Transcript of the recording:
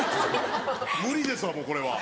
無理ですわもうこれは。